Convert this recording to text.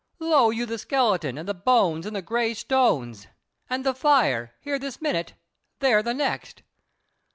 Lo you the skeleton and the bones and the grey stones! And the fire, here this minute, there the next.